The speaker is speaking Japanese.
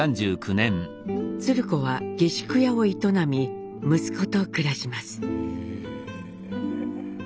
鶴子は下宿屋を営み息子と暮らします。